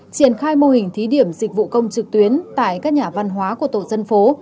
triển khai mô hình thí điểm dịch vụ công trực tuyến tại các nhà văn hóa của tổ dân phố